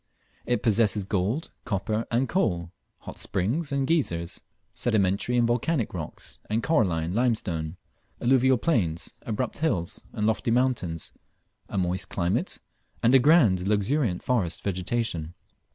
It possesses gold, copper, and coal, hot springs and geysers, sedimentary and volcanic rocks and coralline limestone, alluvial plains, abrupt hills and lofty mountains, a moist climate, and a grand and luxuriant forest vegetation.